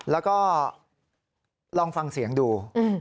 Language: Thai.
แล้วก็ลองฟังเสียงดู